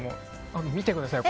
見てください。